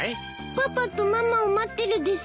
パパとママを待ってるです。